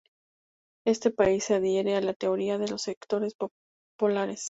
Este país se adhiere a la Teoría de los Sectores Polares.